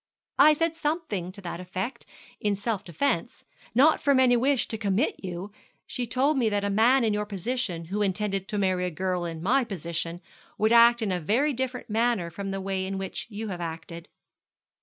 'I said something to that effect in self defence not from any wish to commit you: and she told me that a man in your position, who intended to marry a girl in my position, would act in a very different manner from the way in which you have acted.'